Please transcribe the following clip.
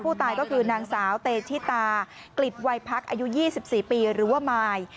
ผู้ตายก็คือนางสาวเตชิตากลิบวัยพักอายุ๒๔ปีหรือว่ามาย